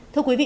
thưa quý vị